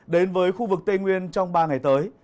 đến với khu vực tây nguyên trong ba ngày tới